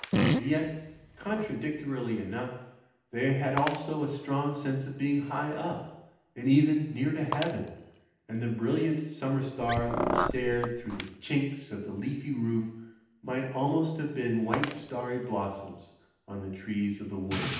And yet, contradictorily enough, they had also a strong sense of being high up; and even near to heaven; and the brilliant summer stars that stared through the chinks of the leafy roof might almost have been white starry blossoms on the trees of the wood.